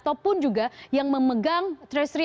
ataupun juga yang memegang treasury